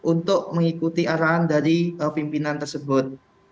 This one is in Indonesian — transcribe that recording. untuk mengikuti arahan dari pimpinan tersebut